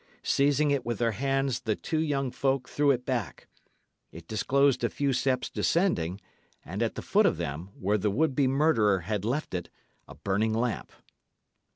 Seizing it with their hands, the two young folk threw it back. It disclosed a few steps descending, and at the foot of them, where the would be murderer had left it, a burning lamp.